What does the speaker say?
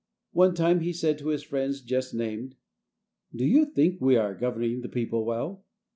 One time he said to his friend just named, "Do you think we are governing the people well?"